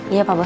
iya pak bos